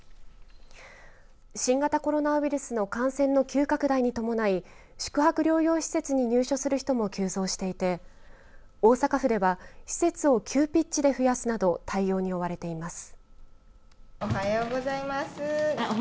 新型コロナウイルスの感染の急拡大に伴い宿泊療養施設に入所する人も急増していて大阪府では施設を急ピッチで増やすなど対応に追われています。